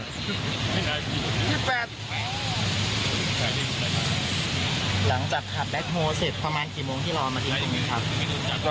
หลังจากขับแบ็คโฮเสร็จประมาณกี่โมงที่รอมาถึงแล้วได้ไหมครับ